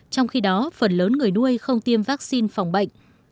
trong khi đó phần lớn người nuôi không tiêm vaccine phòng bệnh